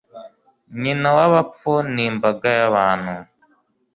Nyina w'abapfu n'imbaga y'abantu